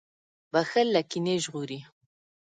• بښل له کینې ژغوري.